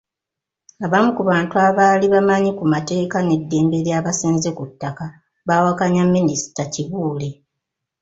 Abamu ku bantu abaali bamanyi ku mateeka n’eddembe ly’abasenze ku ttaka bawakanya Minisita Kibuule.